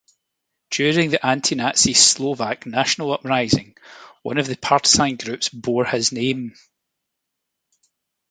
During the anti-Nazi Slovak National Uprising, one of the partisan groups bore his name.